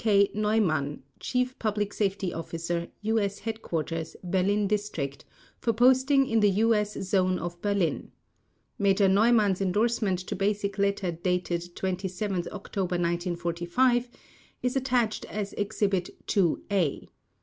K. Neumann, Chief Public Safety Officer, U. S. Headquarters, Berlin District, for posting in the U.S. Zone of Berlin. Major Neumann's indorsement to basic letter dated 27 October 1945 is attached as Exhibit "II A".